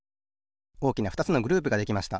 おおきなふたつのグループができました。